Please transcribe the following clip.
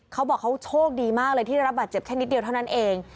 เขาบอกเขาโชคดีมากเลยที่ได้รับบาดเจ็บแค่นิดเดียวเท่านั้นเอง